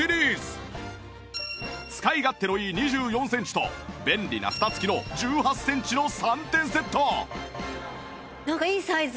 使い勝手のいい２４センチと便利な蓋付きの１８センチの３点セットなんかいいサイズ。